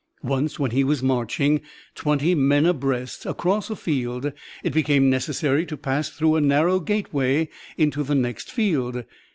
Once when he was marching, twenty men abreast, across a field it became necessary to pass through a narrow gateway into the next field.